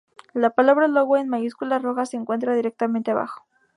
La palabra "Iowa", en mayúsculas rojas, se encuentra directamente abajo.